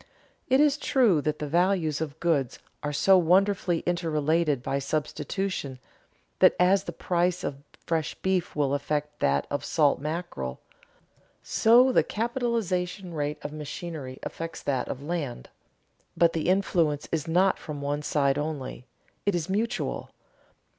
It is true that the values of goods are so wonderfully interrelated by substitution that as the price of fresh beef will affect that of salt mackerel, so the capitalization rate of machinery affects that of land; but the influence is not from one side only, it is mutual.